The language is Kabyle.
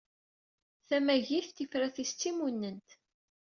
Tamagit tifrat-is d timunent!